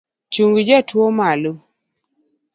Chung jatuo malo